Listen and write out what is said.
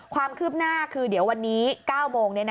ความคืบหน้าคือเดี๋ยววันนี้๙โมง